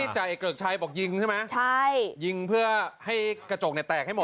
ใช่ไหมใช่ยิงเพื่อให้กระจกในแตกให้หมด